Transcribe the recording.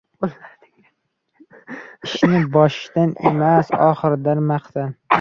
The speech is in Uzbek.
• Ishning boshida emas, oxirida maqtan.